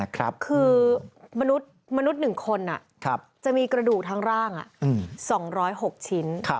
คือมนุษย์๑คนจะมีกระดูกทั้งร่าง๒๐๖ชิ้น